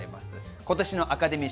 今年のアカデミー賞